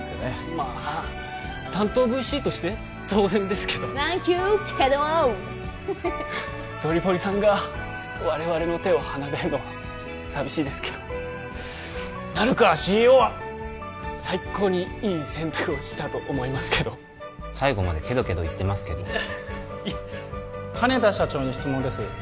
まあ担当ＶＣとして当然ですけどサンキューケド男ドリポニさんが我々の手を離れるのは寂しいですけど成川ＣＥＯは最高にいい選択をしたと思いますけど最後まで「けどけど」言ってますけど羽田社長に質問です